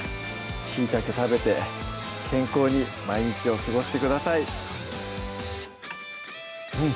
しいたけ食べて健康に毎日を過ごしてくださいうん！